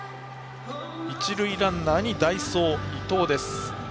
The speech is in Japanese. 一塁ランナーに代走の伊藤です。